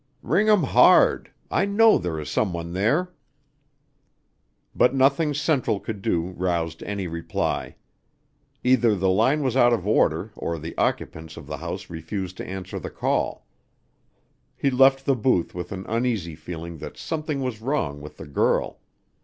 "Ring 'em hard. I know there is someone there." But nothing Central could do roused any reply. Either the line was out of order or the occupants of the house refused to answer the call. He left the booth with an uneasy feeling that something was wrong with the girl.